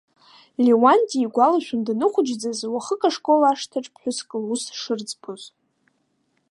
Леуанти игәалашәон даныхәыҷӡаз уахык ашкол ашҭаҿ ԥҳәыск лус шырӡбоз.